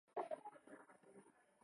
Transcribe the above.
野莴苣为菊科莴苣属的植物。